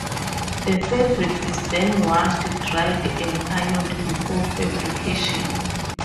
The fabric is then washed, dried, and ironed before fabrication.